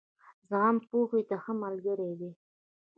زغم، پوهې ته ښه ملګری دی.